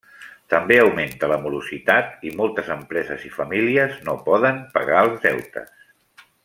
També augmenta la morositat i moltes empreses i famílies no poden pagar els deutes.